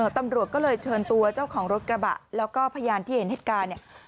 ตำรวจก็เลยเชิญตัวเจ้าของรถกระบะแล้วก็พยานที่เห็นเหตุการณ์เนี่ย